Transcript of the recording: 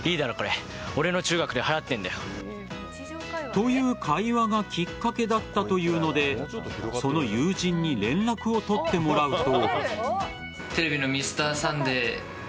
という会話がきっかけだったというのでその友人に連絡を取ってもらうと。